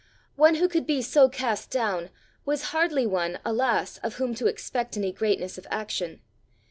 One who could be so cast down, was hardly one, alas, of whom to expect any greatness of action!